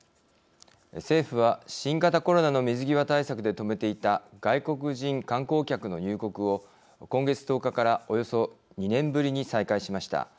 政府は、新型コロナの水際対策で止めていた外国人観光客の入国を今月１０日からおよそ２年ぶりに再開しました。